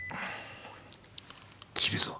切るぞ。